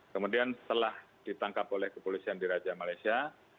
kemudian setelah ditangkap oleh kepolisian di raja malaysia